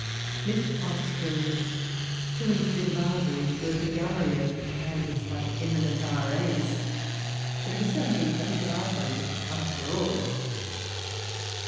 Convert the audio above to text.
Miss Austen's two inch bit of ivor^ is worth a gallery of canvass by emi nent RA.'b, but it is only a bit of ivory after all.